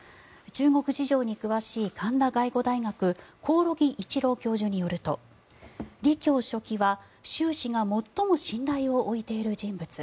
中国事情に詳しい神田外語大学興梠一郎教授によるとリ・キョウ書記は習氏が最も信頼を置いている人物。